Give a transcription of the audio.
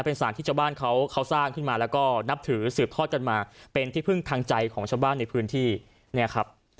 เป็นสารที่ชาวบ้านเขาสร้างขึ้นมาแล้วก็นับถือสืบทอดกันมาเป็นที่พึ่งทางใจของชาวบ้านในพื้นที่เนี่ยครับ